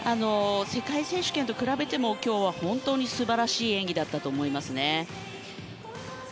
世界選手権と比べても今日は本当に素晴らしい演技だったと思いますね。